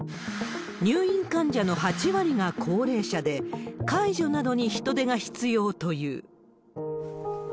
入院患者の８割が高齢者で、介助などに人手が必要という。